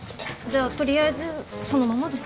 じゃあとりあえずそのままで。